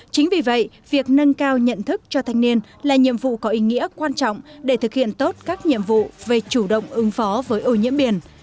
chính vì vậy việc nâng cao nhận thức cho thanh niên là nhiệm vụ có ý nghĩa quan trọng để thực hiện tốt các nhiệm vụ về chủ động ứng phó với ô nhiễm biển